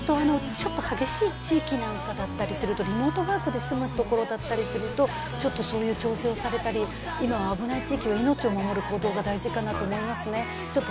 激しい地域なんかだったりすると、リモートワークだったりするとね、ちょっと調整をされたり、今は危ない地域は命を守る行動が大事だと思います。